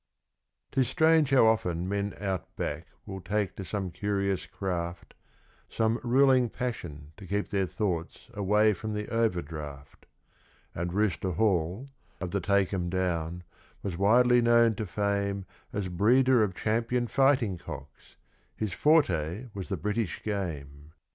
'Tis strange how often the men out back will take to some curious craft, Some ruling passion to keep their thoughts away from the overdraft; And Rooster Hall, of the Take 'Em Down, was widely known to fame As breeder of champion fighting cocks his 'forte' was the British Game.